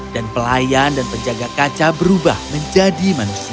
dan pelayan dan penjaga kaca berubah menjadi manusia